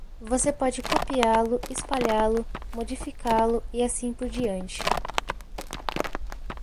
Você pode copiá-lo, espalhá-lo, modificá-lo e assim por diante.